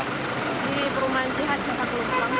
kalau yang di rumah tetangga sedadar